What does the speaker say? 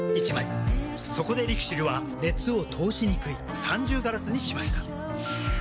そこでＬＩＸＩＬは熱を通しにくい三重ガラスにしました。